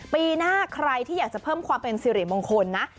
ปีหน้าใครที่อยากจะเพิ่มความเป็นสิริมงคลนะ